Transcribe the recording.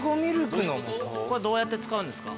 これどうやって使うんですか？